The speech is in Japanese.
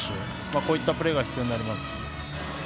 こういったプレーが必要になります。